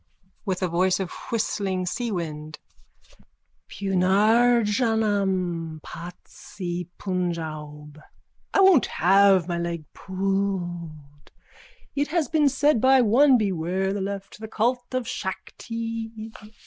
(With a voice of whistling seawind.) Punarjanam patsypunjaub! I won't have my leg pulled. It has been said by one: beware the left, the cult of Shakti.